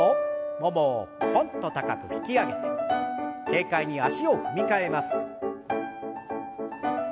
ももをポンと高く引き上げて軽快に足を踏み替えます。